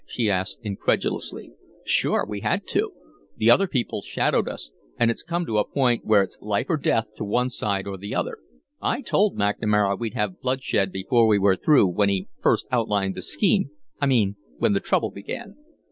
she asked, incredulously. "Sure. We had to. The other people shadowed us, and it's come to a point where it's life or death to one side or the other. I told McNamara we'd have bloodshed before we were through, when he first outlined the scheme I mean when the trouble began."